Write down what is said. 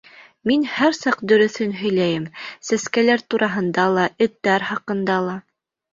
— Мин һәр саҡ дөрөҫөн һөйләйем, сәскәләр тураһында ла, эттәр хаҡында ла...